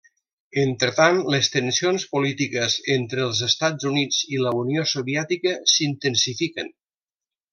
Entretant, les tensions polítiques entre els Estats Units i la Unió Soviètica s'intensifiquen.